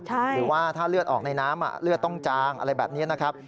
หรือว่าถ้าเลือดออกในน้ำเลือดต้องจางอะไรแบบนี้นะครับ